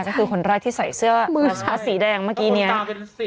ก็คือคนแรกที่ใส่เสื้อชาร์จสีแดงเมื่อกี้เนี่ย